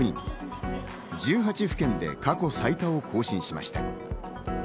１８府県で過去最多を更新しました。